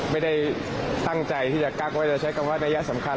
ไม่ได้ตั้งใจที่จะกักไว้จะใช้คำว่านัยสำคัญ